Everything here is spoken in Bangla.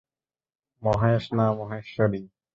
মহেশ না, মহেশ্বরী!